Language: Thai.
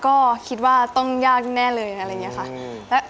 ก็คิดว่าต้องยากแน่เลยอะไรอย่างนี้ค่ะ